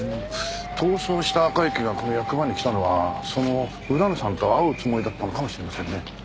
逃走した赤池がこの役場に来たのはその浦野さんと会うつもりだったのかもしれませんね。